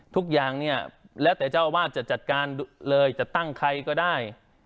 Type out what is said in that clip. ทุกอย่างเนี่ยแล้วแต่เจ้าอาวาสจะจัดการเลยจะตั้งใครก็ได้